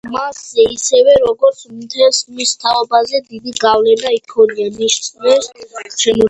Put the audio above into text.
მასზე, ისევე როგორც მთელს მის თაობაზე, დიდი გავლენა იქონია ნიცშეს შემოქმედებამ.